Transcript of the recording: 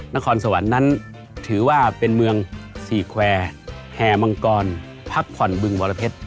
นครสวรรค์นั้นถือว่าเป็นเมืองสี่แควร์แห่มังกรพักผ่อนบึงบรเพชร